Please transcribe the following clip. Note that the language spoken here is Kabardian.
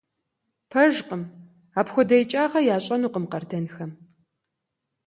Пэжкъым! Апхуэдэ икӀагъэ ящӀэнукъым къардэнхэм!